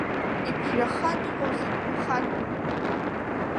Иԥжәахан иҟоу зегь ԥырхагоуп…